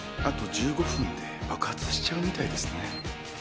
あと１５分で爆発しちゃうみたいですね？